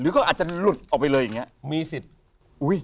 หรืออาจจะหลุดออกไปเลยอย่างนี้